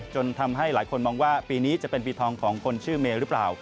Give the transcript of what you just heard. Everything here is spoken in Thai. จนทำให้หลายคนมองว่าปีนี้จะเป็นปีทองของคนชื่อเมย์หรือเปล่า